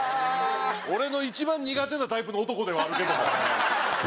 俺の一番苦手なタイプの男ではあるけども。